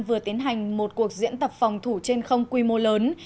vừa tiến hành một cuộc diễn tập phòng thủ trên không quy mô lớn